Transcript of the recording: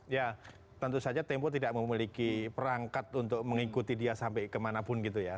ya tentu saja tempo tidak memiliki perangkat untuk mengikuti dia sampai kemanapun gitu ya